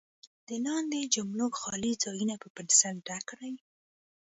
د لاندې جملو خالي ځایونه په پنسل ډک کړئ.